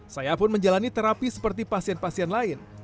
saya pun menjalani terapi seperti pasien pasien lain